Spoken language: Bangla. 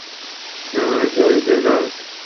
হ্যাঁঁ, হয়েছে, হয়েছে, যাও, তাকে বিরক্ত করো না।